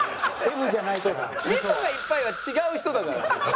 「味噌がいっぱい」は違う人だから。